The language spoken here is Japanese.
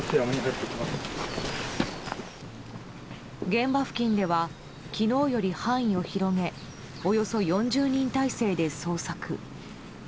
現場付近では昨日より範囲を広げおよそ４０人態勢で捜索。